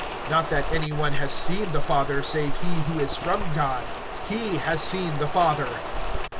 (46)Not that any one has seen the Father, save he who is from God; he has seen the Father.